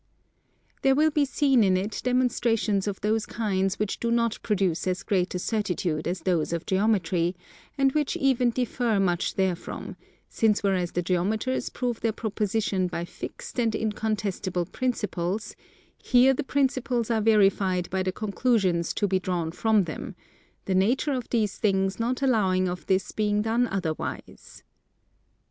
There will be seen in it demonstrations of those kinds which do not produce as great a certitude as those of Geometry, and which even differ much therefrom, since whereas the Geometers prove their Propositions by fixed and incontestable Principles, here the Principles are verified by the conclusions to be drawn from them; the nature of these things not allowing of this being done otherwise.